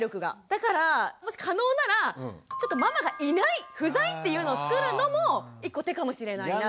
だからもし可能ならちょっとママがいない不在っていうのをつくるのも１個手かもしれないなって。